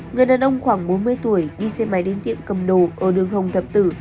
người đàn ông khoảng bốn mươi tuổi đi xe máy đến tiệm cầm đồ ở đường hồng thập tử